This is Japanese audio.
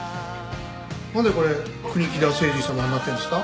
なんでこれ国木田誠司様になってるんですか？